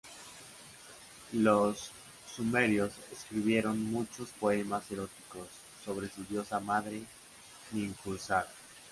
Los sumerios escribieron muchos poemas eróticos sobre su diosa madre Ninhursag.